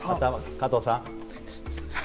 加藤さん！